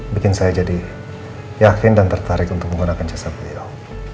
bikin saya jadi yakin dan tertarik untuk menggunakan jasa beliau